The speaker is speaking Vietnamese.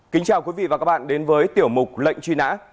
kính chào quý vị và các bạn đến với tiểu mục lệnh truy nã